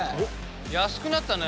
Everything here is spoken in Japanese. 安くなったね。